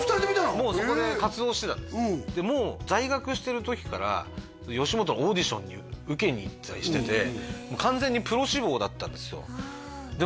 もうそこで活動してたんですでもう在学してる時から吉本のオーディションに受けに行ってたりしてて完全にプロ志望だったんですよで